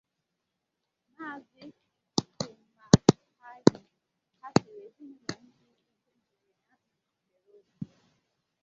Maazị Kumapayi kasiri ezinụlọ ndị ihe mberede ahụ metụtara obi